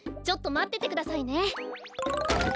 ちょっとまっててくださいね。